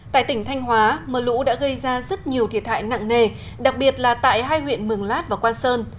tại tỉnh thanh hóa mưa lũ đã gây ra rất nhiều thiệt hại nặng nề đặc biệt là tại hai huyện mường lát và quang sơn